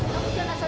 kamu jangan rasa